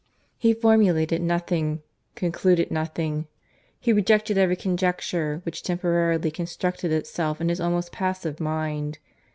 He formulated nothing; concluded nothing; he rejected every conjecture which temporarily constructed itself in his almost passive mind.